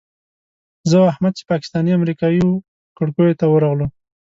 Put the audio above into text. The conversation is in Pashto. زه او احمد چې پاکستاني امریکایي وو کړکیو ته ورغلو.